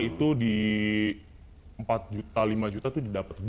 itu di empat juta lima juta itu didapat